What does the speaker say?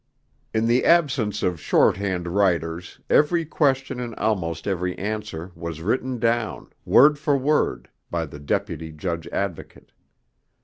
In the absence of short hand writers every question and almost every answer was written down, word for word, by the Deputy Judge Advocate.